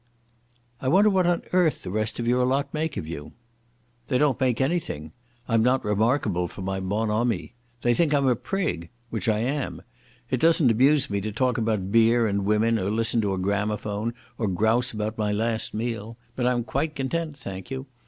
"I wonder what on earth the rest of your lot make of you?" "They don't make anything. I'm not remarkable for my bonhomie. They think I'm a prig—which I am. It doesn't amuse me to talk about beer and women or listen to a gramophone or grouse about my last meal. But I'm quite content, thank you.